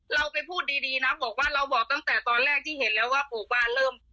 เราไปพูดดีนะบอกว่าเราบอกตั้งแต่ตอนแรกที่เห็นแล้วว่าปลูกบ้านเริ่ม